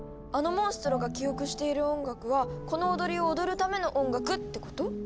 あのモンストロが記憶している音楽はこの踊りを踊るための音楽ってこと？